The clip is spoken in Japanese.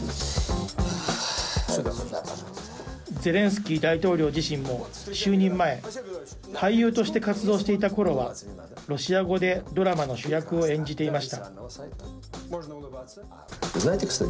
ゼレンスキー大統領自身も就任前俳優として活動していた頃はロシア語でドラマの主役を演じていました。